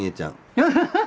ハハハハ！